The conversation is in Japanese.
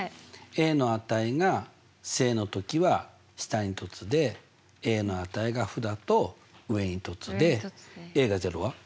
の値が正の時は下に凸での値が負だと上に凸でが０は？